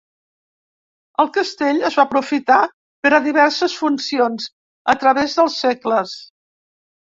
El Castell es va aprofitar per a diverses funcions a través dels segles.